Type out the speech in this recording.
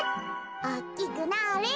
おおきくなれ。